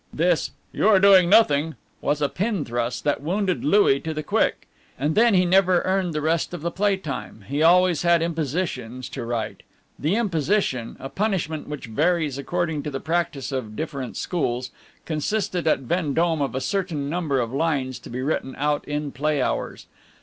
This "you are doing nothing!" was a pin thrust that wounded Louis to the quick. And then he never earned the rest of the play time; he always had impositions to write. The imposition, a punishment which varies according to the practice of different schools, consisted at Vendome of a certain number of lines to be written out in play hours.